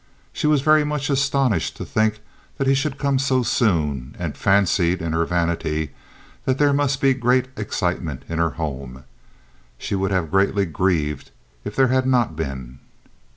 She was very much astonished to think that he should come so soon, and fancied, in her vanity, that there must be great excitement in her home. She would have greatly grieved if there had not been.